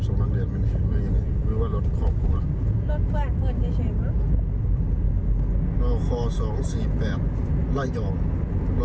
รถขอ๒๔๘ล่ายยอม